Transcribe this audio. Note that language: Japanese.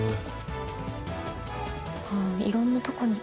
いろんなとこに。